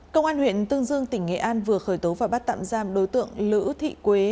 công an huyện tương dương tỉnh nghệ an vừa khởi tố và bắt tạm giam đối tượng lữ thị quế